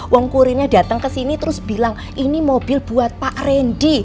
wongkurinya datang kesini terus bilang ini mobil buat pak randy